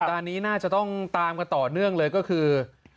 ตอนนี้น่าจะต้องตามกันต่อเนื่องเลยก็คือ